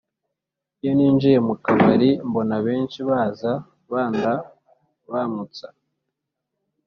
iyo ninjira mu kabarimbona benshi baza bandbamutsa,